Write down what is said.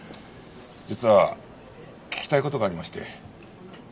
実は聞きたい事がありまして。